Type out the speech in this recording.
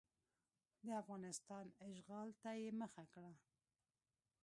د افغانستان اشغال ته یې مخه کړه.